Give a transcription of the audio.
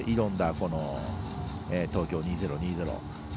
この東京２０２０。